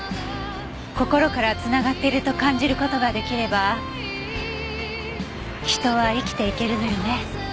心から繋がっていると感じる事が出来れば人は生きていけるのよね。